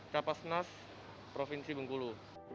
capasnas provinsi bengkulu